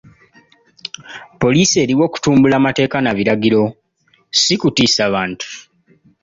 Poliisi eriwo kutumbula mateeka na biragiro, si kutiisa bantu.